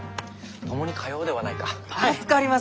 共に通おうではないか。